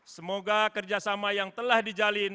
semoga kerjasama yang telah dijalin